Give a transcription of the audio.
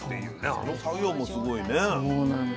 あの作業もすごいね。